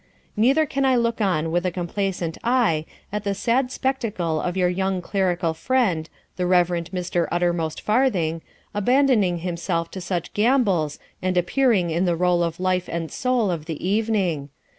Neither can I look on with a complacent eye at the sad spectacle of your young clerical friend, the Reverend Mr. Uttermost Farthing, abandoning himself to such gambols and appearing in the role of life and soul of the evening.